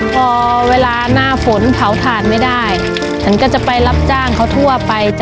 พอเวลาหน้าฝนเผาถ่านไม่ได้ฉันก็จะไปรับจ้างเขาทั่วไปจ้